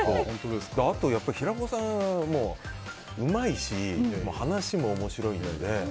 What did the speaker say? あと平子さん、うまいし話も面白いので。